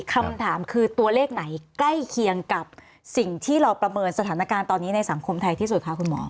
คำถามคือตัวเลขไหนใกล้เคียงกับสิ่งที่เราประเมินสถานการณ์ตอนนี้ในสังคมไทยที่สุดคะคุณหมอ